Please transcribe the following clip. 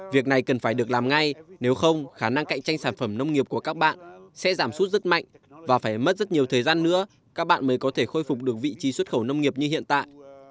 việc này cần phải được làm ngay nếu không khả năng cạnh tranh sản phẩm nông nghiệp của các bạn sẽ giảm suốt rất mạnh và phải mất rất nhiều thời gian nữa các bạn mới có thể khôi phục được vị trí xuất khẩu nông nghiệp như hiện tại